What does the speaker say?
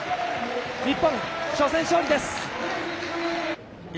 日本、初戦勝利です。